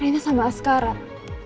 reina sama sekarang